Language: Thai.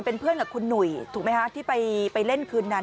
เป็นเพื่อนกับคุณหนุ่ยถูกไหมคะที่ไปเล่นคืนนั้น